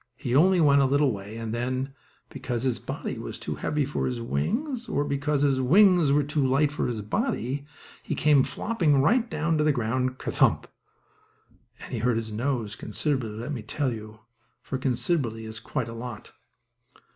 He only went a little way, and then, because his body was too heavy for his wings, or because his wings were too light for his body, he came flopping right down to the ground, ker thump, and he hurt his nose considerably, let me tell you, for considerably is quite a lot.